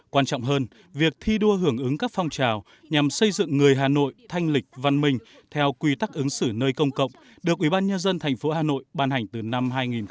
quan trọng hơn việc thi đua hưởng ứng các phong trào nhằm xây dựng người hà nội thanh lịch văn minh theo quy tắc ứng xử nơi công cộng được ubnd tp hà nội ban hành từ năm hai nghìn một mươi một